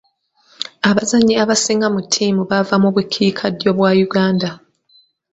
Abazannyi abasinga mu ttiimu bava mu bukiikaddyo bwa Uuganda.